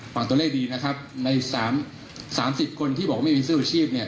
ฟังตัวเลขดีนะครับในสามสิบคนที่บอกว่าไม่มีเสื้ออาชีพเนี่ย